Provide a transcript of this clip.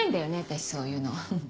私そういうの。